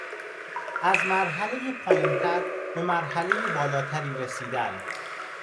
از مرحلهی پایینتر به مرحلهی بالاتری رسیدن